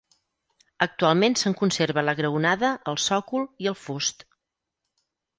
Actualment se'n conserva la graonada, el sòcol i el fust.